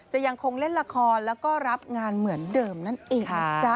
ยังคงเล่นละครแล้วก็รับงานเหมือนเดิมนั่นเองนะจ๊ะ